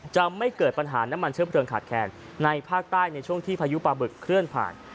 จะไม่เกิดปัญหาน้ำมันเชื้อเพลิงขาดแคลนในภาคใต้ในช่วงที่พายุปลาบึกเคลื่อนผ่าน